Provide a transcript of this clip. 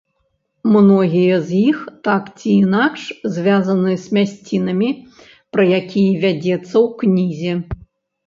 Многія з іх так ці інакш звязаны з мясцінамі, пра якія вядзецца ў кнізе.